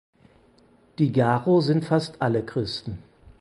Die Garo sind fast alle Christen.